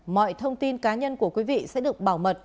mọi thông tin cá nhân của quý vị sẽ được bảo mật